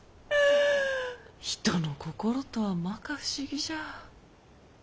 人の心とはまか不思議じゃ。